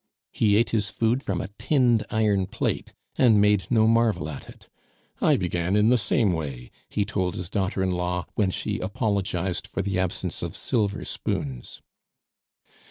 He ate his food from a tinned iron plate, and made no marvel at it. "I began in the same way," he told his daughter in law, when she apologized for the absence of silver spoons.